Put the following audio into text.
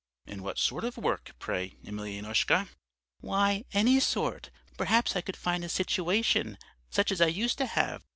"'And what sort of work, pray, Emelyanoushka?' "'Why, any sort; perhaps I could find a situation such as I used to have.